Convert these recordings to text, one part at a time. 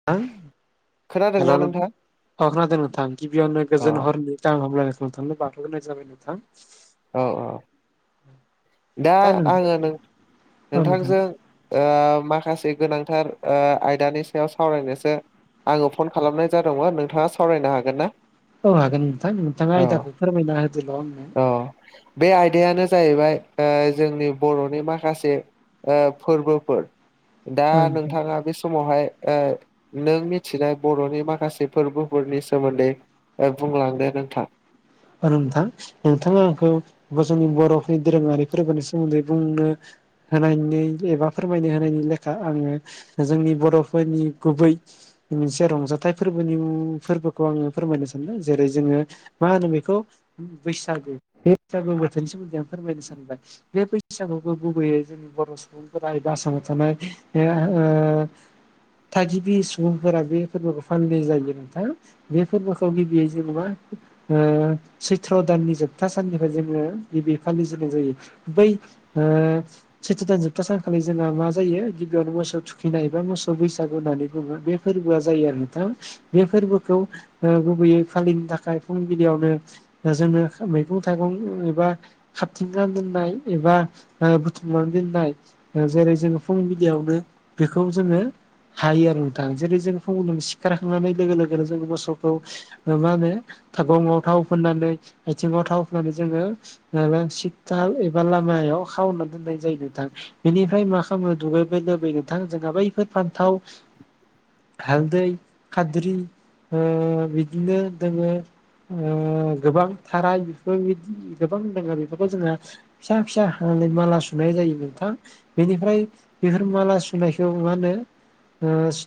[unintelligible] हेल' नोंथां। अ खोनादों नोंथां। गिबियावनो अ गोजोन हरनि गाहाम हामब्लायनायखौ नोंथांनो बावहरगोरनाय जाबाय नोंथां। औ औ दा आङो नों औ नोंथां नोंथांजों ओ माखासे गोनांथार ओ आयदानि सायाव सावरायनोसो आङो फन खालामनाय जादोंमोन नोंथाङा सावरायनो हागोन ना? औ हागोन नोंथां नोंथाङा औ आयदाखौ फोरमायना होदोल' आंनो। औ बे आयदायानो जाहैबाय ओ जोंनि बर'नि माखासे आ फोरबोफोर दा आंनो नोंथाङा बे समावहाय ओ नों मिथिनाय बर'नि माखासे फोरबोफोरनि सोमोन्दै ओ बुंलांदो नोंथां। आरो नोंथां नोंथाङा आंखौ जोंनि बर'फोरनि दोरोङारि फोरबोनि सोमोन्दै बुंनो होनायनि एबा फोरमायनो होनायनि लेखा आङो जोंनि बर'फोरनि गुबै मोनसे रंजाथाइ फोरबोनि मुं फोरबोखौ आङो फोरमायनो सानदों जेरै जोङो मा होनो बे खौ बैसागु बे बैसागु बोथोरनि सोमोन्दै आं फोरमायनो सानबाय। बे बैसागुखौबो गुबैयै जोंनि बर' सुबुंफोरा एबा आसामाव थानाय ओ थागिबि सुबुंफोरा बे फोरबोखौ फालिनाय जायो नोंथां। बे फोरबोखौ गिबियै जों मा ओ सैथ्र' दाननि जोबथा साननिफ्राय जोङो गिबि फालिजेननाय जायो बै ओ सैथो दान जोबथा सानखालि जोंहा मा जायो गिबियावनो मोसौ थुखैनाय एबा मो सौ बैसागु होननानै बुङो। बे फोरबोआ जायो आरो नोंथां। बे फोरबोखौ गुबैयै फालिनो थाखाय फुंबिलियावनो जोङो मैगं थाइगं एबा खाबथिंना दोननाय एबा बुथुमनानै दोननाय जेरै जोङो फुंबिलियावनो बेखौ जोङो हायो आरो नोंथां जेरै जों फुंबिलियाव सिखारखांनानै लोगो लोगोनो जों मोसौखौ मा होनो गङाव थाव फोननानै आथिङाव थाव फोननानै जोङो माबा सिथाल एबा लामायाव खावना दोननाय जायो नोंथां। बेनिफ्राय मा खालामनो दुगैबाय लुबै नोंथां जोंहा बैफोर फान्थाव हालदै खाद्रि ओ बिदिनो दोङो। ओ गोबां थारा बेफोर गोबां दोङा बेफोरखौ जोङो फिसा फिसा हानै माला सुनाय जायो नोंथां। बेनिफ्राय बेफोर माला सुनायखौ मा होनो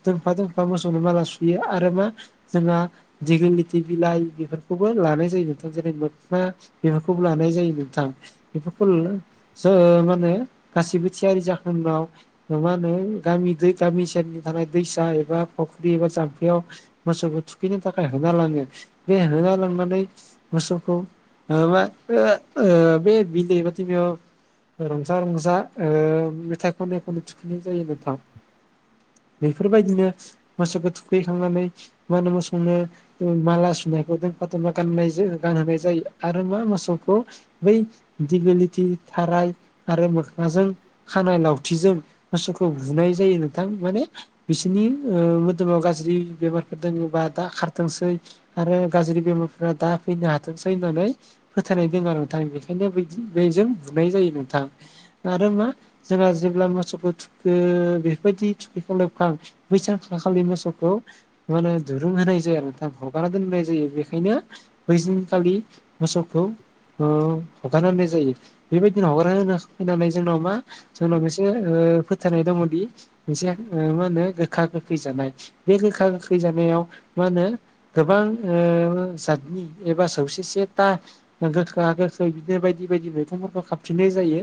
दोंफा दोंफा मोसौनो माला सुयो आरो मा जोंहा दिगि लिथि बिलाइ बेफोर खौबो लानाय जायो नोंथां जेरै मोखना बेफोरखौबो लानाय जायो नोंथां बेफोरखौ ज मान होने गासिबो थियारि जाखोनाव ओह मा होनो गामि दै गामि सेरनि थानाय दैसा एबा फुख्रि एबा जाम्फैयाव मोसौखौ थुखैनो थाखाय होना लाङो बे होना लांनानै मोसौखौ मा आ आह बे बिलै बादि बेयाव रंजा रंजा ओ मेथाइ खनै खनै थुखनै जायो नोंथां बेफोरबायदिनो मोसौखौ थुखैखांनानै मा होनो मोसौनो माला सुनायखौ फाथुमा गाननाय ज गानहोनाय जायो आरो मा मोसौखौ बै दिगलिथि थाराय आरो मोखोनाजों खानाय लावथिजों मोसौखौ बुनाय जायो नोंथां माने बिसोरनि ओह मोदोमाव गाज्रि बेमारफोर दोङोबा दा खारथोंसै आरो गाज्रि बेमारफ्रा दा फैनो हाथोंसै होननानै फोथायनाय दङ आरो नोंथां बेखायनो बेजों बुनाय जायो नोंथां आरो मा जोंहा जेब्ला मोसौखौ थुखो बेफोरबायदि थुखैखौ लोबखां बैसानखालि मोसौखौ माने दुरुं होनाय जाया आरो नोंथां हगारना दोननाय जायो बे बेखायनो बै सानखालि मोसौखौ ओ हगारना होननाय जायो बेबायदिनो हगारनानानै जोंनाव मा जोंनाव बेसे ओह फोथायनाय दङ दि मा होनो गोखा गोखै जानाय बे गोखा गोखै जानायाव मा होनो गोबां ओ जाादनि एबा सौसेसे था गोखाो गोखै बिदिनो बायदि बायदि मैगंफोरखौ खााबफिननाय जायो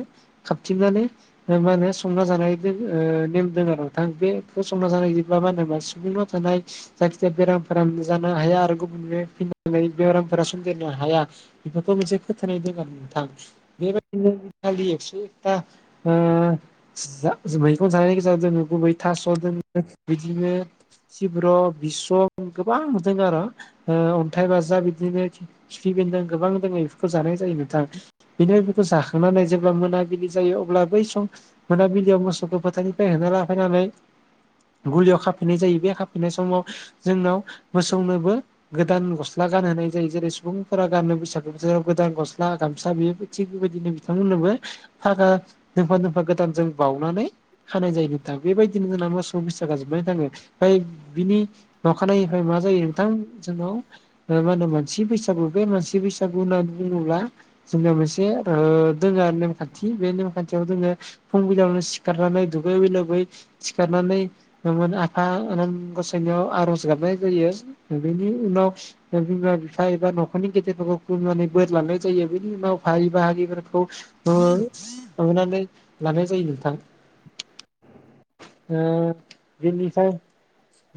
खाबथिननानै मा होनो संना जानायजों ओ नेम दं आरो बेखौ संना जानाय जब्ला मा होना सुबङ ओमफ्राय जायखिया बेरामफोरा नुजानो हाया आरो गुबुनफोरनि दि बेरामफोरा सोनदेरनो हाया बेफोरखौ मोनसे फोथायनाय दं आरो नोंथां। बेबायदिनो खालि एक्स' एकथा ओ जा मैगं जानाय गेजेराव गुबै थास'द बिदिनो सिब्र' बिसं गोबां नुदों आरो ओ अन्थाइ बाजा बिदिनो खिफि बेेनदों गोबां दङ बेफोरखौ जानाय जायो नोंथां। बेनिफ्राय बेफोरखौ जाखांनानै जेब्ला मोनाबिलि जायो अब्ला बै सम मोनाबिलियाव मोसौखौ फोथारनिफ्राय होना लाना फैनानै गलियाव खाफैनाय जायो बे खाफैनाय समाव जोंनाव मोसौनोबो गोदान गस' गस्ला गानहोनाय जायो जेरै सुबुंफोरा गाननो बैसागु बोथोराव गोदान गस्ला गामसा बे थिग बेबायदिनो बिथांमोननोबो फागा दोंफा दोंफा गोदानजों बाउनानै हानाय जायो नोंथां बेबायदिनो जोंना मासौ बैसागो आ जोबनानै थाङो ओमफ्राय बिनि अखानायनिफ्राय मा जायो नोंथां जोंनाव ओ मा होनो मानसि बैसागु बे मानसि बैसागु होननानै बुङोब्ला जोंना मोनसे ओ दोङो नेमखान्थि बे नेमखान्थियाव जोङो फुंबिलावनो सिखारनानै दुगैै लोबै सिखारनानै आफा आनान गसाइनाव आर'ज गाबनाय जायो बेनि उनाव बिमा बिफा एबा नख'रनि गेदेरफोरखौ खुलुमनानै बोर लानाय जायो बिनि उनाव बाइ बाहागिफोरखौ थांनानै लानाय जायो नोंथां। [inaudible] ओ बेनिफ्राय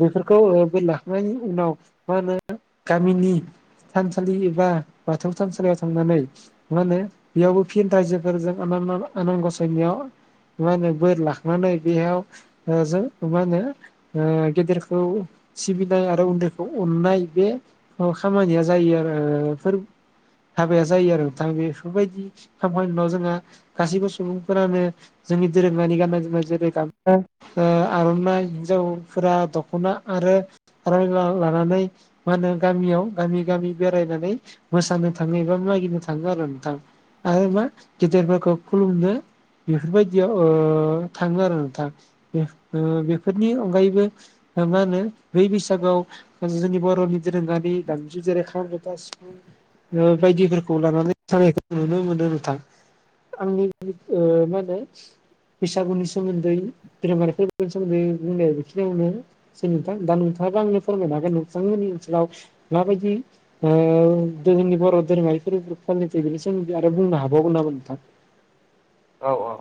बेफोरखौ बे लाखांनायनि उनाव मा होनो गामिनि थानसालि एबा बाथौ थानसालियाव थांनानै मा होनो बेयावबो फिन राइजोफोरजों आन आनान गसायनियाव मा होनो बोर लाखांनानै बेयाव जों मा होनो गेदेरखौ सिबिनाय आरो उन्दैखौ अननाय बे खामानिया जायो आरो फोर हाबाया जायो आरो नोंथां बेफोरबायदि खामनायनि उनाव जोंहा गासैबो सुबुंफोरानो जोंनि दोरोङारि गाननाय जोमनाय जेरै गामसा ओ आर'नाइ हिन्जावफोरा दख'ना आरो रां लानानै मा होनो गामियाव गामि गामि बेरायनानै मोसानो थाङो एबा मागिनो थाङो आरो नोंथां। आरो मा गेदेरफोरखौ खुलुमनो बेफोरबायदियाव थाङो आरो नोंथां बेफोरनि अनगायैबो मा होनो बै बैसागोआव जोंनि बर'नि दोरोङारि दामजु जेरै खाम जथा सि बायदिफोरखौ लानानै जानायखौ नुनो मोनो नोंथां। आंनि ओ मा होनो बैसागुनि सोमोन्दै धोरोमारिफोरनि सोमोन्दै बुंनाय बेखिनियावनो नोंथां दा नोंथाङाबो आंनो फोरमायनो हागोन नोंथांमोननि ओनसोलाव माबायदि जोंनि बर' दोरोङारि फोर-फालिथाय बेनि सोमोन्दै आरो बुंनो हाबावगोन नामा नोंथां? औ औ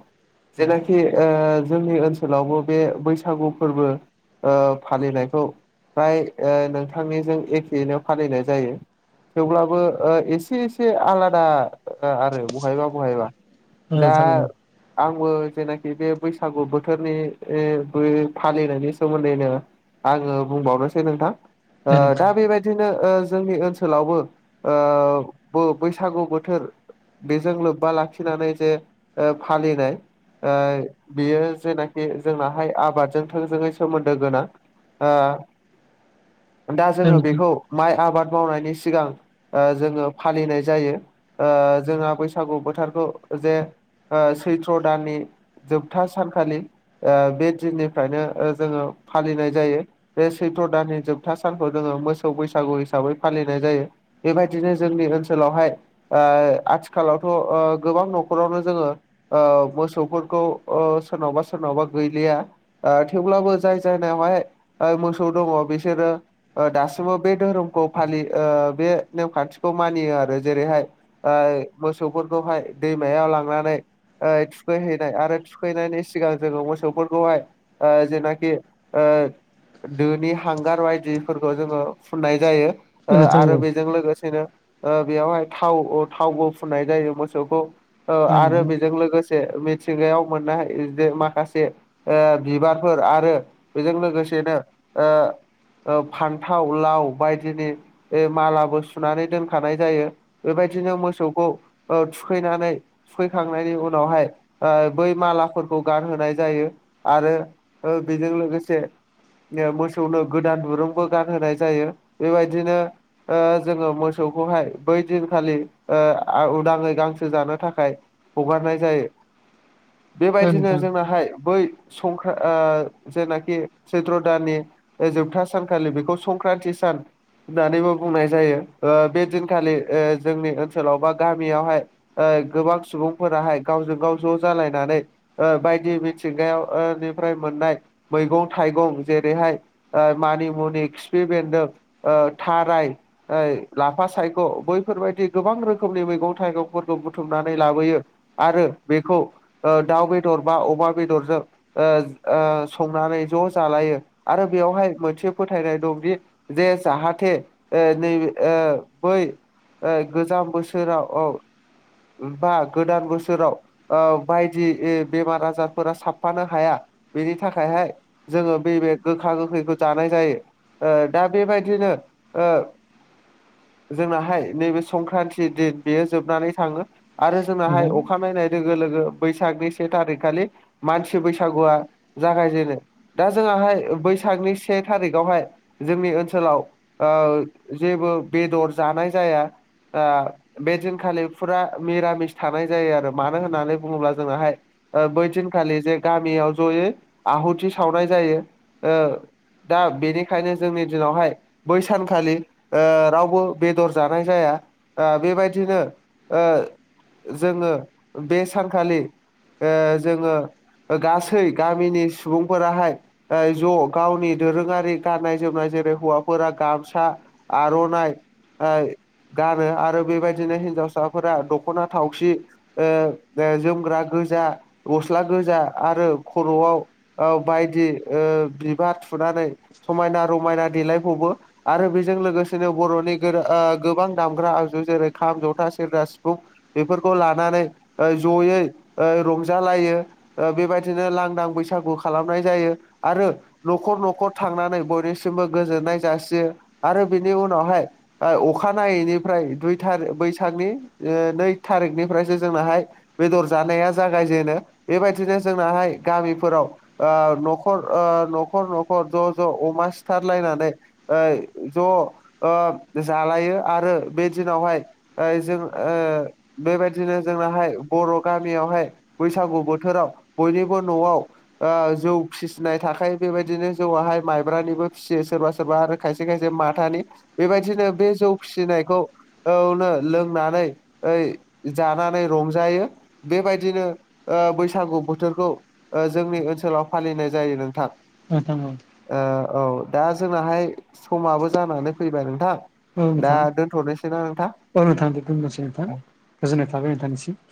जेनाखि खि ओ जोंनि ओनसोलावबो बे बैसागु फोरबो ओ फालिनायखौ फ्राय ओ नोंथांनिजों एखेनो फालिनाय जायो। थेवब्लाबो ओ एसे एसे आलादा आरो बहायबा बहायबा औ दा नोंथां औ आंबो जेनाखि बे बैसागु बोथोरनि ओ बो फालिनायनि सोमोन्दैनो आङो बुंबावनोसै नोंथां औ ओ नोंथां दा बेबाय बिदिनो ओ जोंनि ओनसोलावबो ओ बो बैसागु बोथोर बेजों लोब्बा लाखिनानै जे फालिनाय बियो जेनाखि जोंनाहाय आबादजों थोंजोङै सोमोन्दो गोनां। ओ दा औ जोङो नोंथां बेखौ माइ आबाद मावनायनि सिगां ओ जोङो फालिनाय जायो ओ जोंहा बैसागु बोथोरखौ जे सैत्र' दाननि जोबथा सानखालि ओ बे दिननिफ्रायनो ओ जोङो फालिनाय जायो। बे सैथ्र' दाननि जोबथा सानखौ जोङो मोसौ बैसागु हिसाबै फालिनाय जायो। बेबायदिनो जोंनि ओनसोलावहाय ओ आथिखालावथ' ओ गोबां नख'रावनो जोङो ओ मोसौफोरखौ ओ सोरनावबा सोरनावबा गैलिया। ओ थेवब्लाबो जाय जायनायावहाय ओ मोसौ दङ बिसोरो ओ दासिमबो बे धोरोमखौ फालियो ओ बे नेमखान्थिखौ मानियो आरो जेरैहाय ओ मोसौफोरखौहाय दैमायाव लांना ओ थुखैहैनाय आरो थुखैनायनि सिगां जोङो मोसौफोरखौहाय ओ जेनाखि ओ दोनि हांगार बायदिफोरखौ जोङो फुननाय जायो औ ओ नोंथां आरो औ बेजों लोगोसेनो बेयावहाय थाव थावबो फुननाय जायो मोसौखौ ओ औ नोंथां आर जों लोगोसे मिथिंगायाव मोननो हायो जे माखासे बिबारफोर आरो बेजों लोगोसेनो ओ फान्थाव लाव बायदिनि ओ मालाबो सुनानै दोनखानाय जायो बेबायदिनो मोसौखौ ओ थुखैनानै थुखैखांनायनि उनावहाय बै मालाफोरखौ गानहोनाय जायो आरो औ बेजों लोगोसे मोसौनो गोदान दुरुंबो गानहोनाय जायो बेबायदिनो ओ जोङो मोसौखौहाय बै दिनखालि ओ आ उदाङै गांसो जानो थाखाय हगारनाय जायो। औ नोंथां औ बेबायदिनो नोंथां औ जोंनाहाय बै संख्रा ओ जेनाखि सैथ्र' दाननि ओ जोबथा सानखालि बेखौ संक्रान्ति सान होननानैबो बुंनाय जायो। ओ बे दिनखालि ओ जोंनि ओनसोलाव बा गामियावहाय ओ गोबां सुबुंफोराहाय गावजों गाव ज' जालायनानै ओ बायदि मिथिंगायाव ओ निफ्राय मोननाय मैगं थाइगं जेरैहाय ओ मानि मुनि खिफि बेन्दों ओ थाराय ओइ लाफा सायख' बैफोरबायदि गोबां रोखोमनि मैगं थाइगंफोरखौ बुथुमना नै लाबोयो आरो बेखौ ओ दाउ बेदर बा अमा बेदरजों ओ ओ संनानै ज' जालायो आरो बेवहाय मोनसे फोथायनाय दंदि जे जाहाथे ओ नैे ओ बै ओ गोजाम बोसोराव औ बा गोदान बोसोराव ओ बायदि ओ बेमार आजारफोरा साबफानो हाया बेनि थाखायहाय जोङो बे बे गोखा गोखैखौ जानाय जायो। ओ दा बेबायदिनो ओ जोंनाहाय नैबे संक्रान्ति दिन बेयो जोबनानै थाङो आरो जोंनाहाय अखा नायनाय लोगो लोगो बैसागनि से थारिख खालि मानसि बैसागुआ जागायजेनो। दा जोङाहाय बैसागनि से थारिखावहाय जोंनि ओनसोलाव ओ जेबो बेदर जानाय जाया, ओ बे दिनखालि फुरा निरामिस थानाय जायो आरो मानो होननानै बुङोब्ला जोंनाहाय ओ बैदिनखालि जे गामियाव जयै आहुथि सावनाय जायो ओ दा बेनिखायनो जोंनि दिनावहाय बै सानखालि ओ रावबो बेदर जानाय जाया ओ बेबायदिनो ओ जोङो बे सानखालि ओ जोङो ओ गासै गामिनि सुबुंफोराहाय ओ ज' गावनि दोरोङारि गाननाय जोमनाय जेरै हौवाफोरा गामसा आर'नाइ ओ गानो आरो बेबायदिनो हिन्जावसा फोरा दख'ना थावसि ओ जोमग्रा गोजा गस्ला गोजा आरो खर'आव औ बायदि ओ बिबार थुनानै समायना रमायना देलाय खौबो आरो बेजों लोगोसेनो बर'नि ओ गोबां दामग्रा आगजु जेरै खाम, जथा, सिफुं, सेरजा, सिफुं बेफोरखौ लानानै ओ जयै ओ रंजालायो। ओ बेबायदिनो लांदां बैसागु खालामनाय जायो आरो न'खर न'खर थांनानै बयनिसिमबो गोजोननाय जासियो आरो बिनि उनावहाय ओ अखानायैनिफ्राय दुइ थारि बैसागनि ओ नै थारिखनिफ्रायसो जोंनाहाय बेदर जानाया जागायजेनो। बेबायदिनो जोंनाहाय गामिफोराव ओ न'खर ओ न'खर न'खर ज' ज' अमा सिथारलायनानै ओ ज' ओ जालायो आरो बे दिनावहाय ओइ जों ओ बेबायाददिनो जोंनाहाय बर' गामियावहाय बैसागु बोथोराव, बयनिबो न'आव ओ जौ फिसिनाय थाखायो बेबायदिनो जौआाहाय, माइब्रानिबो फिसियो सोरबा सोरबा आरो खायसे खायसे माथानि बेबायदिनो बे जौ फिसिनायखौ औ लोंनानै ओइ जानानै रंजायो। बेबायदिनो ओ बैसागु बोथोरखौ ओ जोंनि ओनसोलाव फालिनाय जायो नोंथां। नोंथां औ। ओ औ दा जोंनाहाय समाबो जानानै फैबाय नोंथां। दा नोंथां दोन्थ'नोसै ना नोंथां? औ नोंथां दे दोन्नोसै नोंथां गोजोननाय थाबाय नोंथांनिसिम